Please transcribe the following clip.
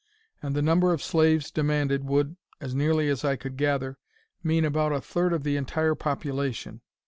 And the number of slaves demanded would as nearly as I could gather, mean about a third of the entire population.